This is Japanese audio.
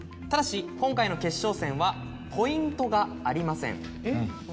ただし今回の決勝戦はポイントがありません。